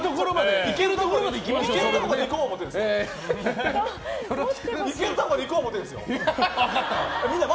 いけるところまでいこう思ってるんですよ！